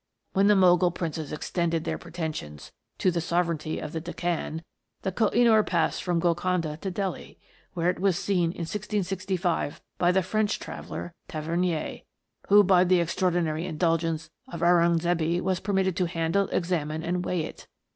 When the Mogul princes extended their pretensions to the sovereignty of the Deccan, the Koh i noor passed from Golconda to Delhi, where it was seen in 1665 by the French traveller, Tavernier, who, by the extraordinary indulgence of Aurungzebe, was permitted to handle, examine, and weigh it.